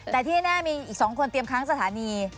แต่ที่แน่มีอีก๒คนเตรียมค้างสถานี